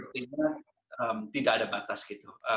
artinya tidak ada batas gitu